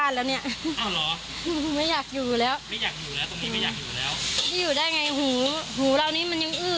สนั่นเลยครับ